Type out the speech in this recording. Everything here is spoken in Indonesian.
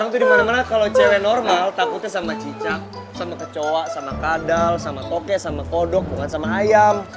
itu dimana mana kalau cewek normal takutnya sama cicak sama kecoa sama kadal sama toke sama kodok bukan sama ayam